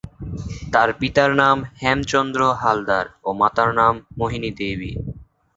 তার পিতার নাম হেমচন্দ্র হালদার ও মাতার নাম মোহিনী দেবী।